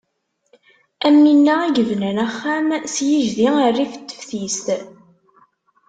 Am winna i yebnan axxam s yijdi rrif n teftis.